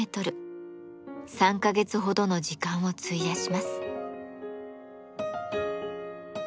３か月ほどの時間を費やします。